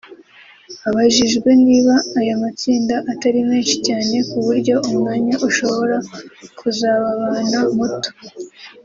Abajijwe niba aya matsinda atari menshi cyane kuburyo umwanya ushobora kuzababana muto